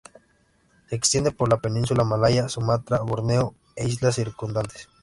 Se extiende por la península malaya, Sumatra, Borneo e islas circundantes.